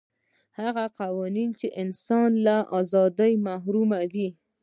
هغه قوانین چې انسان له ازادۍ محروموي.